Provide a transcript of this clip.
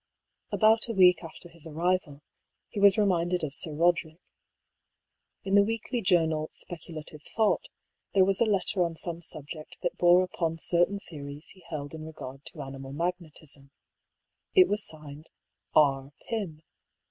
About a week after his arrival, he was reminded of Sir Roderick. In the weekly journal. Speculative Thought^ there was a letter on some subject that bore upon certain theories he held in regard to animal magnetism. It was signed " E. Pym."